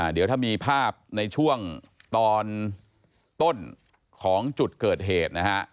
เดี๋ยวถ้ามีภาพในช่วงตอนต้นของจุดเกิดเหตุนะฮะ